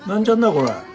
これ。